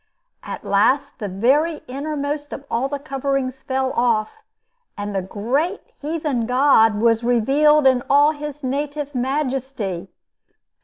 At last, the very innermost of all the coverings fell off, and the great heathen god was revealed in all his native majesty.